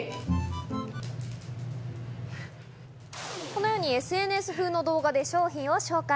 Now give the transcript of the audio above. このようにＳＮＳ風の動画で商品を紹介。